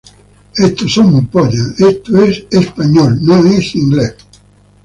The Best of..." y "The Masters".